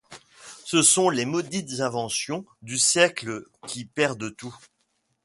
Ce sont les maudites inventions du siècle qui perdent tout.